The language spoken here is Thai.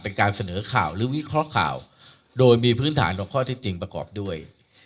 เป็นการเสนอข่าวหรือวิเคราะห์ข่าวโดยมีพื้นฐานของข้อที่จริงประกอบด้วย